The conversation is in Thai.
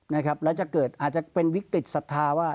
นะครับแล้วจะเกิดอาจจะเป็นวิกฤตศรัทธาว่า